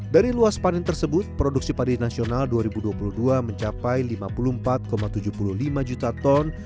dari luas panen tersebut produksi padi nasional dua ribu dua puluh dua mencapai lima puluh empat tujuh puluh lima juta ton